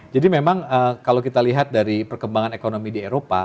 jadi memang kalau kita lihat dari perkembangan ekonomi di eropa